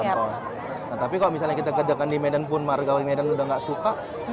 nah tapi kalau misalnya kita kerjakan di medan pun warga medan udah nggak suka